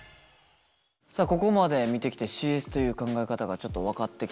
さあここまで見てきてＣＳという考え方がちょっと分かってきたというか。